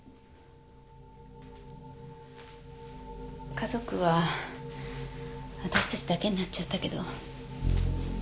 家族は私たちだけになっちゃったけど。